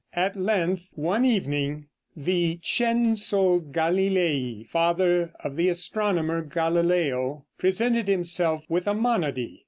At length, one evening, Vincenzo Galilei, father of the astronomer Galileo, presented himself with a monody.